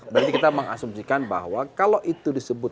berarti kita mengasumsikan bahwa kalau itu disebut